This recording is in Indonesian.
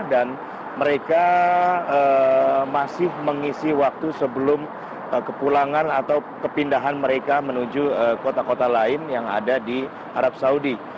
dan mereka masih mengisi waktu sebelum kepulangan atau kepindahan mereka menuju kota kota lain yang ada di arab saudi